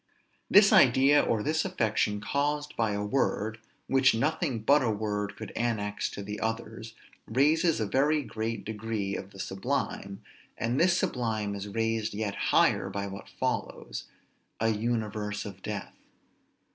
This idea or this affection caused by a word, which nothing but a word could annex to the others, raises a very great degree of the sublime, and this sublime is raised yet higher by what follows, a "universe of death."